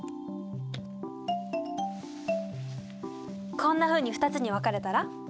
こんなふうに２つに分かれたら？